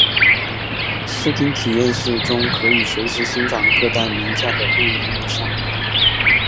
视听体验室中可以随时欣赏各代名家的录音录像。